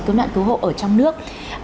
cứu nạn cứu hộ ở trong nước